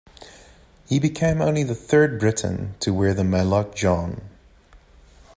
He became only the third Briton to wear the maillot jaune.